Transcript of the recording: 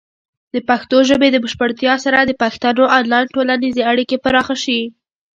د پښتو ژبې د بشپړتیا سره، د پښتنو آنلاین ټولنیزې اړیکې پراخه شي.